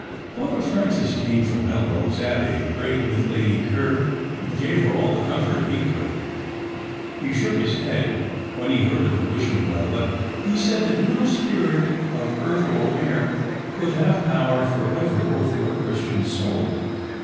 Father Francis came from Melrose Abbey, and prayed with Lady Ker, and gave her all the comfort he could. He shook his head when he heard of the Wishing Well, but he said that no spirit of earth or air could have power for ever over a Christian soul.